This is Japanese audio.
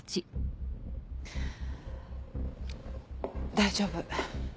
大丈夫。